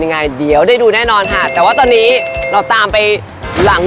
ยังไงเดี๋ยวได้ดูแน่นอนค่ะแต่ว่าตอนนี้เราตามไปหลัง